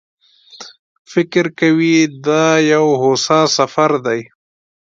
فکر کوي دا یو هوسا سفر دی.